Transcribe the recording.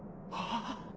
ああ。